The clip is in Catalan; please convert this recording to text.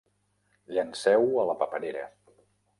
Llenceu-ho a la paperera.